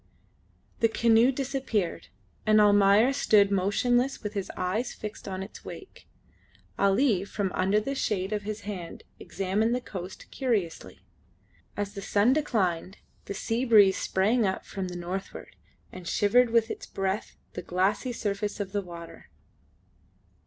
The canoe disappeared, and Almayer stood motionless with his eyes fixed on its wake. Ali from under the shade of his hand examined the coast curiously. As the sun declined, the sea breeze sprang up from the northward and shivered with its breath the glassy surface of the water.